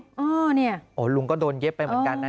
แสบแก่ให้ดูอื้อเนี่ยโอ้ยลุงก็โดนเย็บไปเหมือนกันน่ะ